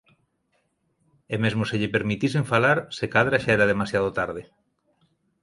E mesmo se lle permitisen falar, se cadra xa era demasiado tarde.